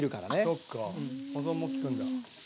そっか保存も利くんだ。